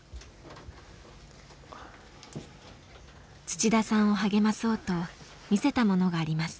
土田さんを励まそうと見せたものがあります。